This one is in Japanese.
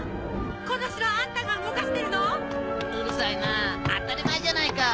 この城あんたが動かしてるの⁉うるさいなぁ当たり前じゃないか。